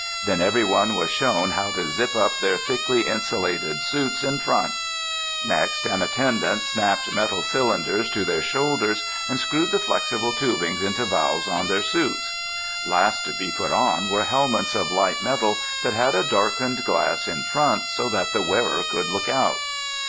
Then everyone was shown how to zip up their thickly insulated suits in front. Next, an attendant snapped metal cylinders to their shoulders and screwed the flexible tubing into valves on their suits. Last to be put on were helmets of light metal that had a darkened glass in front so that the wearer could look out.